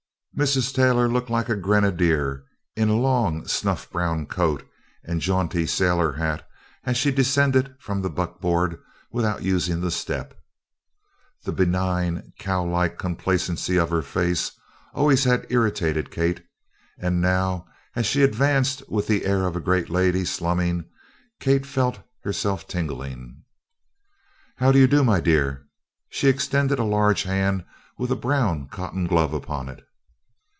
Mrs. Taylor looked like a grenadier in a long snuff brown coat and jaunty sailor hat as she descended from the buckboard without using the step. The benign cow like complacency of her face always had irritated Kate, and now, as she advanced with the air of a great lady slumming, Kate felt herself tingling. "How do you do, my dear?" She extended a large hand with a brown cotton glove upon it.